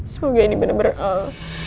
semoga ini benar benar